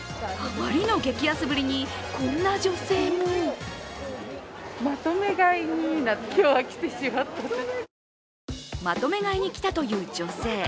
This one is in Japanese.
あまりの激安ぶりに、こんな女性もまとめ買いに来たという女性。